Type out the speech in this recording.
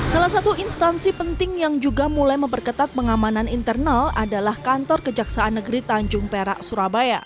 salah satu instansi penting yang juga mulai memperketat pengamanan internal adalah kantor kejaksaan negeri tanjung perak surabaya